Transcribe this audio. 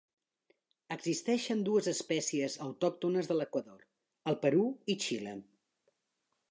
Existeixen dues espècies, autòctones de l'Equador, el Perú i Xile.